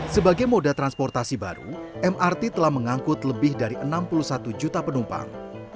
sebagai moda transportasi baru mrt telah mengangkut lebih dari enam puluh satu juta penumpang